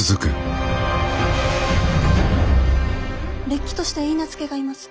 れっきとした許婚がいます。